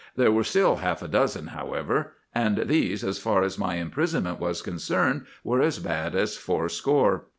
There were still half a dozen, however; and these, as far as my imprisonment was concerned, were as bad as fourscore.